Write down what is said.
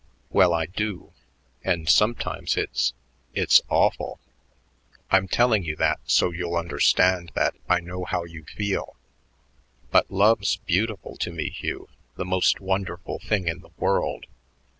Well, I do, and sometimes it's it's awful. I'm telling you that so you'll understand that I know how you feel. But love's beautiful to me, Hugh, the most wonderful thing in the world.